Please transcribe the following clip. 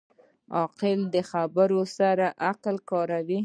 عاقل د خبرو سره عقل کاروي.